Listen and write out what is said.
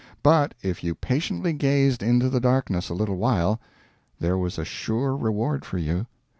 But if you patiently gazed into the darkness a little while, there was a sure reward for you.